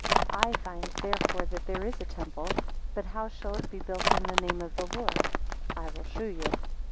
17 I find therefore that there is a temple. But how shall it be built in the name of the Lord? I will shew you.